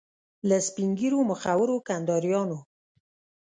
له سپین ږیرو مخورو کنداریانو.